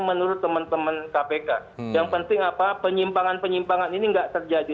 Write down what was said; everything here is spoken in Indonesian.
menurut teman teman kpk yang penting apa penyimpangan penyimpangan ini nggak terjadi